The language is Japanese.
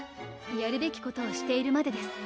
やるべきことをしているまでです